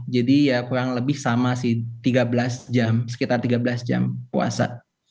jadi ya kurang lebih sama sih tiga belas jam sekitar tiga belas jam puasa